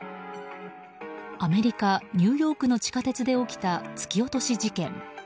アメリカ・ニューヨークの地下鉄で起きた、突き落とし事件。